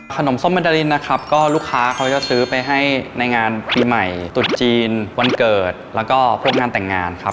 ส้มเบดารินนะครับก็ลูกค้าเขาจะซื้อไปให้ในงานปีใหม่ตุดจีนวันเกิดแล้วก็พบงานแต่งงานครับ